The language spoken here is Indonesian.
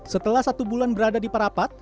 setelah satu bulan berada di parapat